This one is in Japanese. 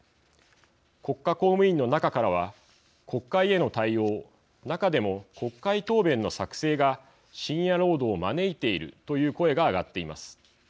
国家公務員の中からは国会への対応中でも国会答弁の作成が深夜労働を招いているという声が上がっています。